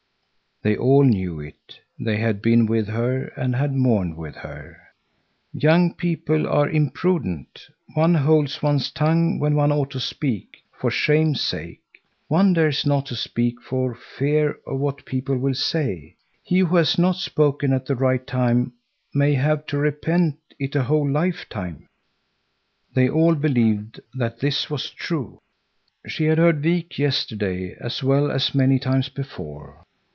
They all knew it. They had been with her and had mourned with her. "Young people are imprudent. One holds one's tongue when one ought to speak, for shame's sake. One dares not to speak for fear of what people will say. He who has not spoken at the right time may have to repent it a whole lifetime." They all believed that this was true. She had heard Wik yesterday as well as many times before.